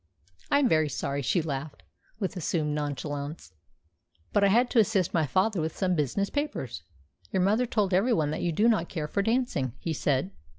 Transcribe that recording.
"I am very sorry," she laughed, with assumed nonchalance; "but I had to assist my father with some business papers." "Your mother told everyone that you do not care for dancing," he said.